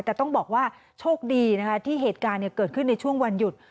แต่ต้องบอกว่าโชคดีนะคะที่เหตุการณ์เกิดขึ้นในช่วงวันหยุด